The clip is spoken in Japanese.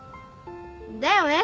だよね